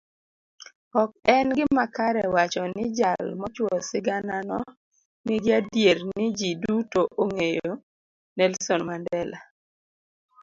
Ok en gima kare wacho nijal mochuo sigananonigi adierni ji dutoong'eyo Nelson Mandela.